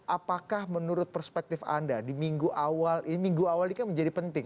apakah menurut perspektif anda di minggu awal ini minggu awal ini kan menjadi penting